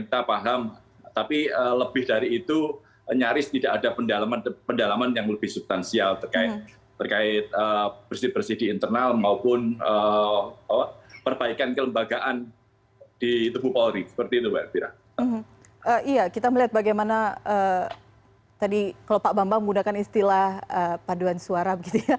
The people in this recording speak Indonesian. kita melihat bagaimana tadi kalau pak bambang menggunakan istilah paduan suara